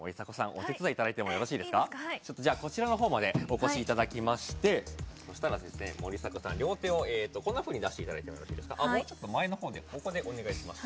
お手伝いいただいてもよろしいですかいいですかはいちょっとじゃこちらの方までお越しいただきましてそしたら両手をこんなふうに出していただいてもいいですかもうちょっと前の方でここでお願いします